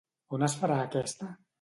On es farà aquesta?